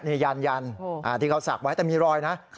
นี่ยันอ่าเขาซักไว้แต่มีรอยนะ